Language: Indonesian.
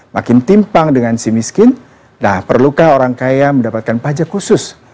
makin timpang dengan si miskin nah perlukah orang kaya mendapatkan pajak khusus